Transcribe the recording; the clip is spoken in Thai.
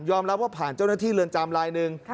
รับว่าผ่านเจ้าหน้าที่เรือนจำลายหนึ่ง